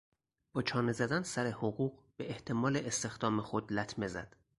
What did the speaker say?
با چانه زدن سر حقوق به احتمال استخدام خود لطمه زد.